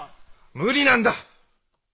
・無理なんだ！